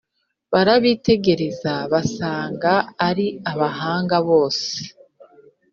barabitegereza basanga ari abahanga bose,